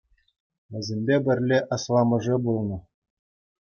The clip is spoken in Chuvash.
Вӗсемпе пӗрле асламӑшӗ пулнӑ.